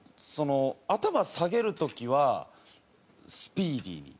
頭下げる時はスピーディーに。